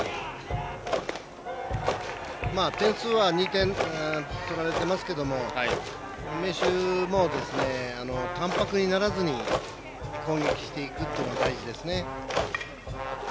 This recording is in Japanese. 点数は２点取られてますけども明秀も淡泊にならずに攻撃していくっていうのが大事ですね。